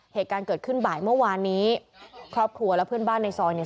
เหตุการณ์เกิดขึ้นบ่ายเมื่อวานนี้ครอบครัวและเพื่อนบ้านในซอยเนี่ย